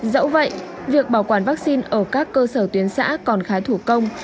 dẫu vậy việc bảo quản vaccine ở các cơ sở tuyến xã còn khá thủ công